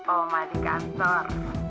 oma di kantor